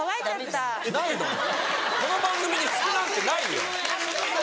ないのこの番組に隙なんてないよ。